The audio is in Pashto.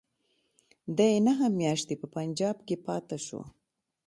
دی نهه میاشتې په پنجاب کې پاته شو.